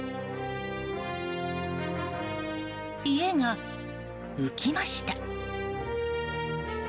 家が、浮きました！